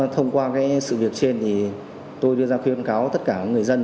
thông qua sự việc trên thì tôi đưa ra khuyên cáo tất cả người dân